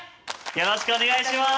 よろしくお願いします。